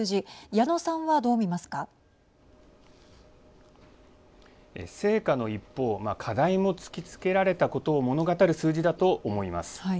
矢野さんはどう見ますか。成果の一方課題も突きつけられたことを物語る数字だと思います。